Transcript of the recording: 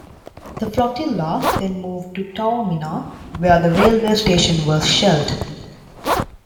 The flotilla then moved to Taormina where the railway station was shelled.